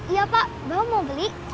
iya pak belum mau beli